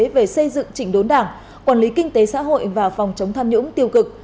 về xây dựng chỉnh đốn đảng quản lý kinh tế xã hội và phòng chống tham nhũng tiêu cực